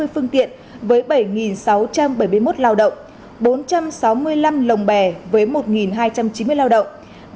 năm mươi phương tiện với bảy sáu trăm bảy mươi một lao động bốn trăm sáu mươi năm lồng bè với một hai trăm chín mươi lao động